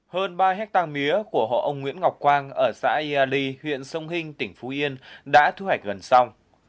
hơn ba hectare mía của hộ ông nguyễn ngọc quang ở xã yà ly huyện sông hinh tỉnh phú yên đã thu hoạch gần xong